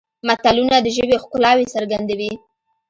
متلونه د ژبې ښکلاوې څرګندوي